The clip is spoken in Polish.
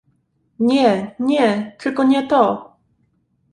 "Nie, nie, tylko nie to!"